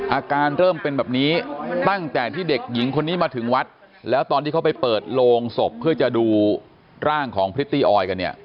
อาการเริ่มเป็นแบบนี้ตั้งแต่ที่เด็กหญิงคนนี้มาถึงวัดแล้วตอนที่เขาไปเปิดโลงศพเพื่อจะดูร่างของพริตตี้ออยกันเนี่ย